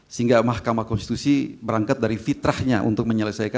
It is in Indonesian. sehingga mahkamah konstitusi berangkat dari fitrahnya untuk menyelesaikan